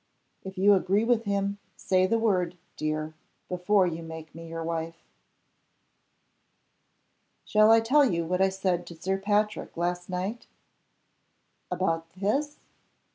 If you agree with him, say the word, dear, before you make me your wife." "Shall I tell you what I said to Sir Patrick last night?" "About _this?